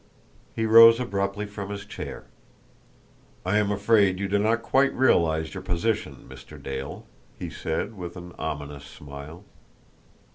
He rose abruptly from his chair. "I am afraid you do not quite realise your position, Mr. Dale," he said, with an ominous smile.